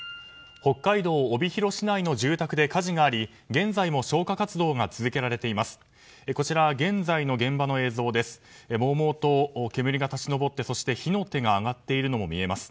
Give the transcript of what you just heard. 北海道帯広市内の住宅で火事があり現在も消火活動が続けられています。